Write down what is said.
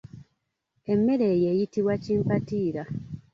Emmere eyo eyitibwa kimpatiira.